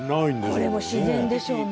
これも自然でしょうね。